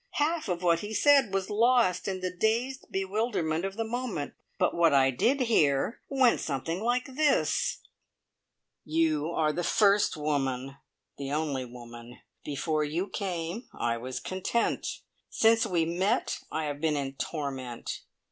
Half of what he said was lost in the dazed bewilderment of the moment, but what I did hear, went something like this: "You are the first woman the only woman. Before you came I was content. Since we met, I have been in torment.